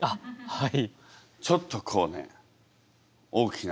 はい。